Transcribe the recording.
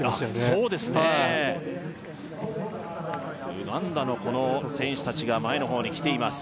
ウガンダのこの選手達が前のほうに来ています